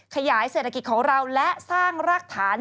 ขยายเศรษฐกิจของเราและสร้างรากฐาน